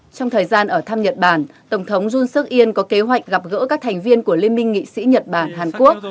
trong thời gian ở thăm nhật bản tổng thống yon seok in có kế hoạch gặp gỡ các thành viên của liên minh nghị sĩ nhật bản hàn quốc